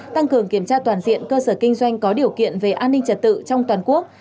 tăng cường kiểm tra toàn diện cơ sở kinh doanh có điều kiện về an ninh trật tự trong toàn quốc